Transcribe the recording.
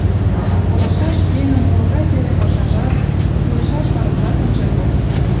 Колышаш еҥын нимогай пеле пашажат, тӱлышаш парымжат ынже код.